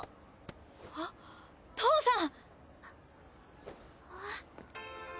あっ父さん！